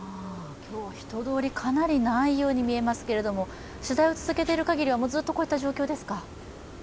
人通り、かなりないように見えますけど、取材を続けているかぎりはずっとこういった状況ですか？